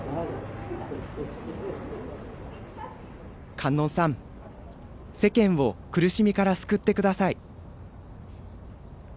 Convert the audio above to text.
「観音さん、世間を苦しみから救ってください」。